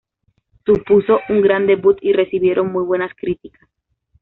Supuso un gran debut y recibieron muy buenas críticas.